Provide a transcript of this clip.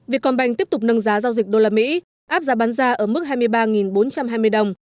việc còn bành tiếp tục nâng giá giao dịch đô la mỹ áp giá bán ra ở mức hai mươi ba bốn trăm hai mươi đồng